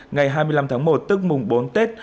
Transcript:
ngày hai mươi năm tháng một tức mùng bốn tết